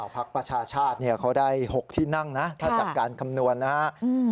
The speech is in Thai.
พักประชาชาติเขาได้๖ที่นั่งนะถ้าจากการคำนวณนะครับ